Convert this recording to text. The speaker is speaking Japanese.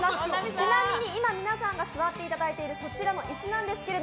ちなみに今、皆さんが座っていただいているそちらの椅子あんですけど、